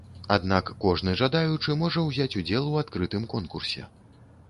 Аднак кожны жадаючы можа ўзяць удзел у адкрытым конкурсе.